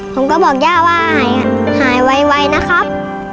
ผมก็บอกย่าว่าหายไวนะครับ